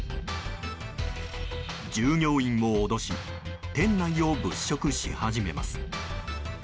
従業員を脅し店内を物色し始めます。